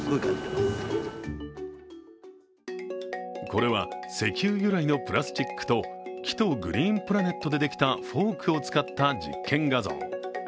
これは石油由来のプラスチックと木とグリーンプラネットでできたフォークを使った実験画像。